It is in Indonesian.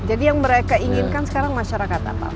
jadi yang mereka inginkan sekarang masyarakat apa